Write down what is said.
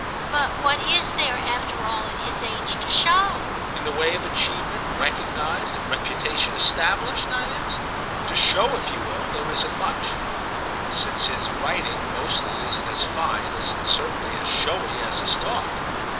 "But what is there, after all, at his age, to show?" "In the way of achievement recognised and reputation established?" I asked. "To 'show' if you will, there isn't much, since his writing, mostly, isn't as fine, isn't certainly as showy, as his talk.